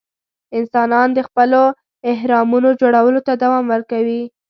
انسانان د خپلو اهرامونو جوړولو ته دوام ورکوي.